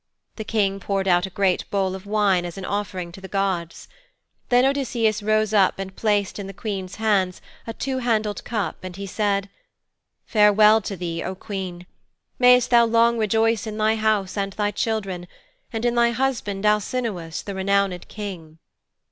The King poured out a great bowl of wine as an offering to the gods. Then Odysseus rose up and placed in the Queen's hands a two handled cup, and he said, 'Farewell to thee, O Queen! Mayst thou long rejoice in thy house and thy children, and in thy husband, Alcinous, the renowned King.'